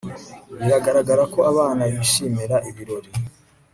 bigaragara ko abana bishimira ibirori